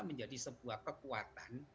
menjadi sebuah kekuatan